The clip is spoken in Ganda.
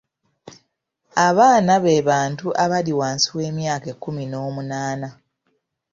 Abaana be bantu abali wansi w'emyaka ekkuminoomunaana.